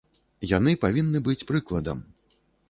Яны павінны быць прыкладам.